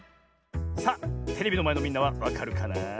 さあテレビのまえのみんなはわかるかな。